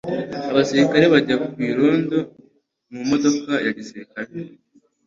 Abasirikare bajya ku irondo mu modoka ya gisirikare.